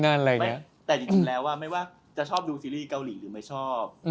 แต่จริงแล้วไม่ว่าจะชอบดูซีรีส์เกาหลีหรือไม่ชอบ